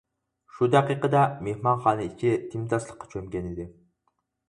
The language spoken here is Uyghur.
شۇ دەقىقىدە مېھمانخانا ئىچى تىمتاسلىققا چۆمگەنىدى.